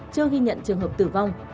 chưa ghi nhận trường hợp tử vong